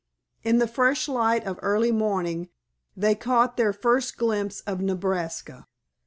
In the fresh light of early morning, they caught their first glimpse of Nebraska.